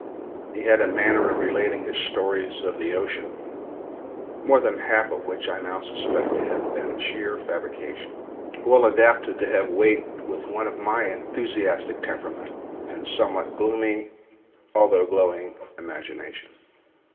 He had a manner of relating his stories of the ocean (more than one half of which I now suspect to have been sheer fabrications) well adapted to have weight with one of my enthusiastic temperament and somewhat gloomy although glowing imagination.